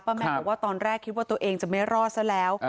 แม่บอกว่าตอนแรกคิดว่าตัวเองจะไม่รอดซะแล้ว